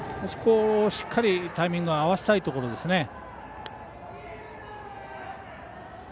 そこを、しっかりタイミングを合わせたいところですね。